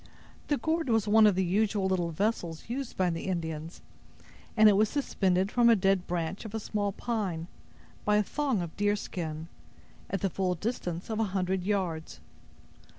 The gourd was one of the usual little vessels used by the Indians, and it was suspended from a dead branch of a small pine, by a thong of deerskin, at the full distance of a hundred yards.